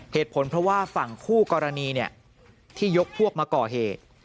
เหตุผลเพราะว่าฝั่งคู่กรณีที่ยกพวกมาก่อเหตุ